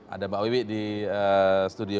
ada mbak wiwi di studio